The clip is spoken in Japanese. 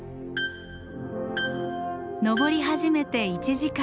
登り始めて１時間。